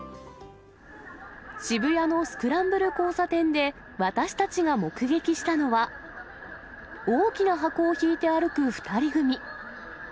渋谷のスクランブル交差点で私たちが目撃したのは、大きな箱を引いて歩く２人組。